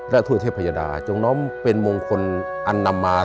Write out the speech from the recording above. และทั่วเทพยดาจงน้อมเป็นมงคลอันนำมา